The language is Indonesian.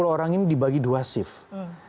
enam puluh orang ini dibagi dua shift